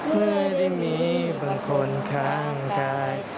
เมื่อได้มีบางคนข้างกาย